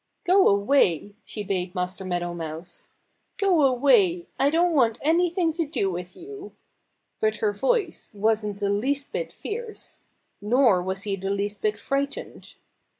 "Go away!" she bade Master Meadow Mouse. "Go away! I don't want anything to do with you." But her voice wasn't the least bit fierce. Nor was he the least bit frightened.